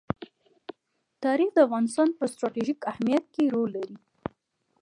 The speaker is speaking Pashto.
تاریخ د افغانستان په ستراتیژیک اهمیت کې رول لري.